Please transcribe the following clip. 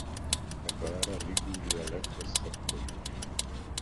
A Vara Liguria leghosszabb folyója.